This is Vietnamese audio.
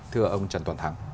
thưa ông trần toàn thắng